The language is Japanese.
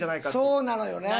そうなのよね。